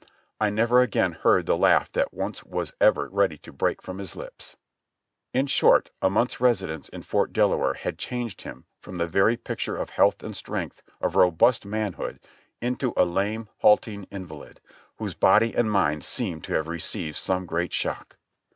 I never again heard the laugh that once was ever ready to break from his lips. In short, a month's residence in Fort Delaware had changed him from the very picture of health and strength, of robust man hood, into a lame, halting invalid, whose body and mind seemed to have received some great shock.